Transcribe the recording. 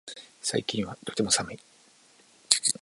最近はとても寒い